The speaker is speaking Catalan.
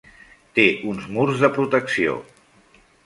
Té uns murs de protecció.